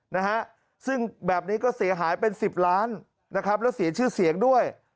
นะฮะซึ่งแบบนี้ก็เสียหายเป็นสิบล้านนะครับแล้วเสียชื่อเสียงด้วย